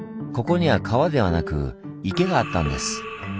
ここには川ではなく池があったんです。